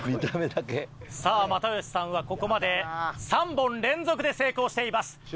さあ又吉さんはここまで３本連続で成功しています。